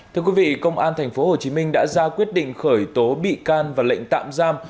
thưa quý vị công an tp hcm đã ra quyết định khởi tố bị can và lệnh tạm giam